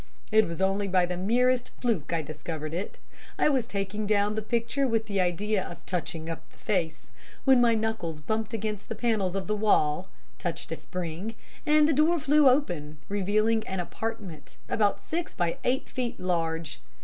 It was only by the merest fluke I discovered it. I was taking down the picture with the idea of "touching up" the face, when my knuckles bumped against the panels of the wall, touched a spring, and the door flew open, revealing an apartment about six by eight feet large.